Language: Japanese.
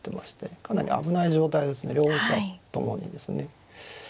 かなり危ない状態ですね両者ともにですね。